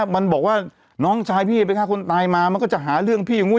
มันบอกว่าน้องชายพี่ไปฆ่าคนตายมามันก็จะหาเรื่องพี่อย่างนู้น